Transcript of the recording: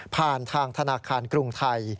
ผ่านทางธนาคารกรุงไทย